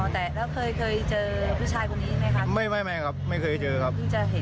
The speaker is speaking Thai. อ๋อแต่แล้วเคยเคยเจอผู้ชายพวกนี้ไหมครับไม่ไม่ไม่ครับไม่เคยเจอครับ